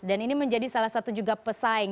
dan ini menjadi salah satu juga pesaing